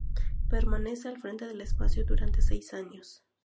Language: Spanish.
Permanece al frente del espacio durante seis años.